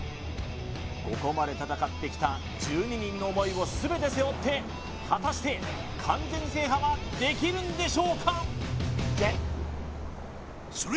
ここまで戦ってきた１２人の思いを全て背負って果たして完全制覇はできるんでしょうか？